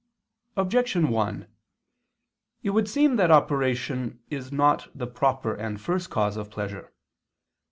Objection 1: It would seem that operation is not the proper and first cause of pleasure.